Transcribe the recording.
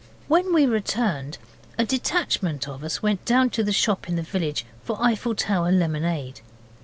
When we returned a detachment of us went down to the shop in the village for Eiffel Tower lemonade.